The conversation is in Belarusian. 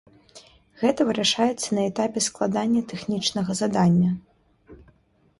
Гэта вырашаецца на этапе складання тэхнічнага задання.